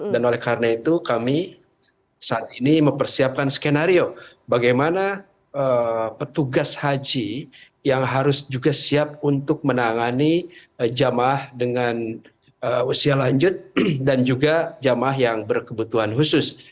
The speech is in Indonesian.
dan oleh karena itu kami saat ini mempersiapkan skenario bagaimana petugas haji yang harus juga siap untuk menangani jemaah dengan usia lanjut dan juga jemaah yang berkebutuhan khusus